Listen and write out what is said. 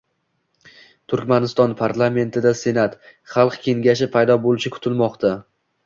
Turkmaniston parlamentida "senat" - Xalq Kengashi paydo bo'lishi kutilmoqda